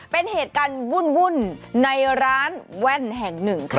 เป็นเหตุการณ์วุ่นในร้านแว่นแห่งหนึ่งค่ะ